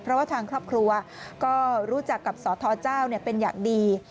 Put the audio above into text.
เพราะว่าทางครอบครัวก็รู้จักกับสทเจ้าเป็นอย่างดี